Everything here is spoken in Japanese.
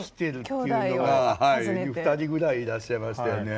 ２人ぐらいいらっしゃいましたよね。